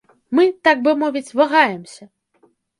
Мы так бы мовіць вагаемся.